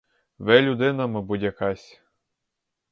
Ви людина, мабуть, якась!